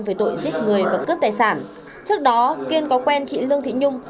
về tội giết người và cướp tài sản trước đó kiên có quen chị lương thị nhung